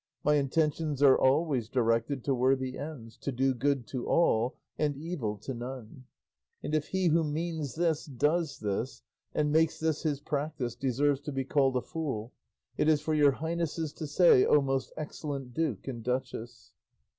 My intentions are always directed to worthy ends, to do good to all and evil to none; and if he who means this, does this, and makes this his practice deserves to be called a fool, it is for your highnesses to say, O most excellent duke and duchess."